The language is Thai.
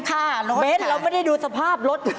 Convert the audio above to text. ค่ะน้องฮ่อยแซมเบนเราไม่ได้ดูสภาพรถ